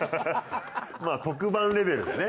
まあ特番レベルでね。